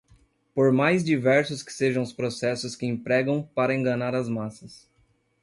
por mais diversos que sejam os processos que empregam para enganar as massas